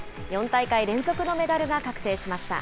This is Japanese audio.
４大会連続のメダルが確定しました。